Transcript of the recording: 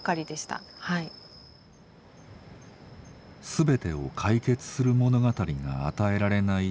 全てを解決する物語が与えられない